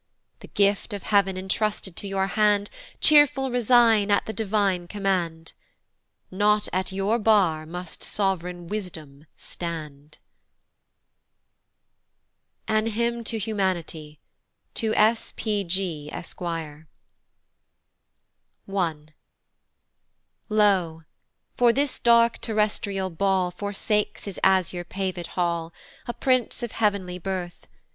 The gift of heav'n intrusted to your hand Cheerful resign at the divine command: Not at your bar must sov'reign Wisdom stand. An H Y M N to H U M A N I T Y. To S. P. G. Esq; I. LO! for this dark terrestrial ball Forsakes his azure paved hall A prince of heav'nly birth!